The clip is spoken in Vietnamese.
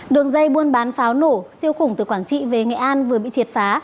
đường dây buôn bán pháo nổ siêu khủng từ quảng trị về nghệ an vừa bị triệt phá